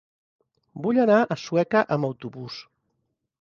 Vull anar a Sueca amb autobús.